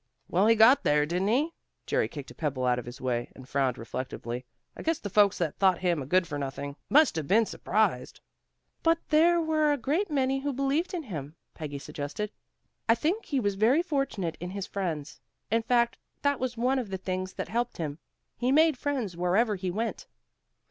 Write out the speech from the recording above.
"Well, he got there, didn't he?" Jerry kicked a pebble out of his way, and frowned reflectively. "I guess the folks that thought him a good for nothing must 'a' been surprised." "But there were a great many who believed in him," Peggy suggested. "I think he was very fortunate in his friends. In fact, that was one of the things that helped him. He made friends wherever he went."